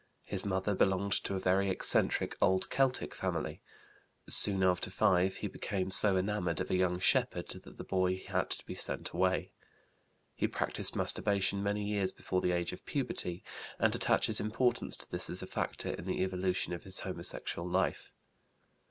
His mother belonged to a very eccentric old Celtic family. Soon after 5 he became so enamored of a young shepherd that the boy had to be sent away. He practised masturbation many years before the age of puberty, and attaches importance to this as a factor in the evolution of his homosexual life.